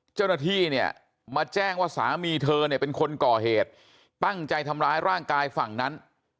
เจ้าหน้าที่เนี่ยมาแจ้งว่าสามีเธอเนี่ยเป็นคนก่อเหตุตั้งใจทำร้ายร่างกายฝั่งนั้น